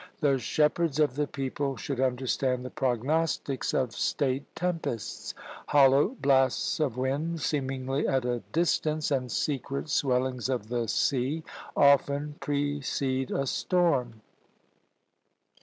"The shepherds of the people should understand the prognostics of state tempests; hollow blasts of wind seemingly at a distance, and secret swellings of the sea, often precede a storm."